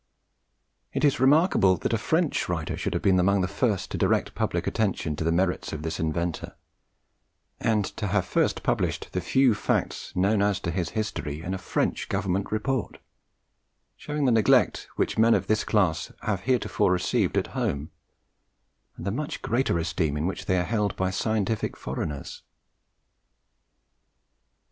It is remarkable that a French writer should have been among the first to direct public attention to the merits of this inventor, and to have first published the few facts known as to his history in a French Government Report, showing the neglect which men of this class have heretofore received at home, and the much greater esteem in which they are held by scientific foreigners.